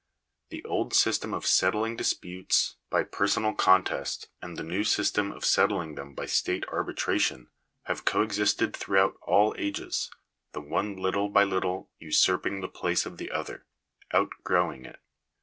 The old system of settling disputes by personal contest, and the new system of settling them by state arbitration, have coexisted throughout all ages ; the one little by little usurping the place of the other, outgrowing it.